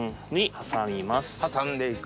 挟んで行く。